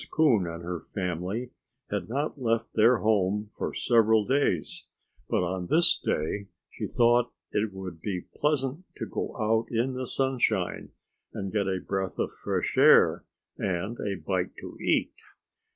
Coon and her family had not left their home for several days; but on this day she thought it would be pleasant to go out in the sunshine and get a breath of fresh air and a bite to eat.